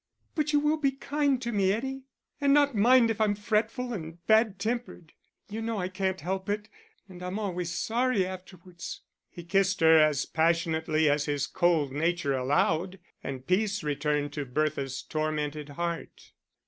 "But you will be kind to me, Eddie and not mind if I'm fretful and bad tempered. You know I can't help it, and I'm always sorry afterwards." He kissed her as passionately as his cold nature allowed, and peace returned to Bertha's tormented heart.